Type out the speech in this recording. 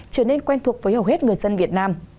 trở nên quen thuộc với hầu hết người dân việt nam